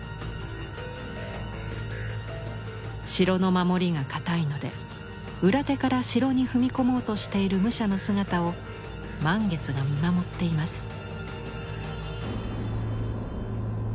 城の守りが堅いので裏手から城に踏み込もうとしている武者の姿を満月が見守っています。